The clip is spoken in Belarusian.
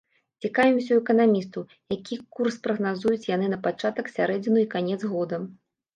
Цікавімся ў эканамістаў, які курс прагназуюць яны на пачатак, сярэдзіну і канец года.